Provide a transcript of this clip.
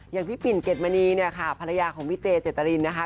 อย่างพี่ปิ่นเกดมณีเนี่ยค่ะภรรยาของพี่เจเจตรินนะคะ